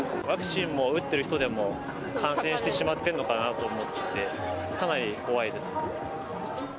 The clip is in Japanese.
ワクチンを打ってる人でも、感染してしまっているのかなと思って、かなり怖いです。